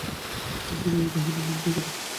সমস্ত জমি তাহারাই নিয়ন্ত্রণ করে।